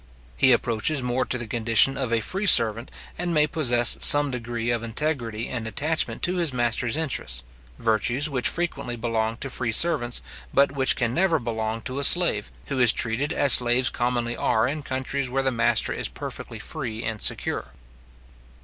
He approaches more to the condition of a free servant, and may possess some degree of integrity and attachment to his master's interest; virtues which frequently belong to free servants, but which never can belong to a slave, who is treated as slaves commonly are in countries where the master is perfectly free and secure.